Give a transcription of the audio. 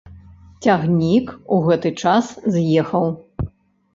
Цягнік у гэты час з'ехаў.